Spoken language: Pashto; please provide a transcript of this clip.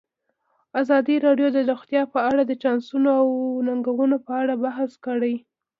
ازادي راډیو د روغتیا په اړه د چانسونو او ننګونو په اړه بحث کړی.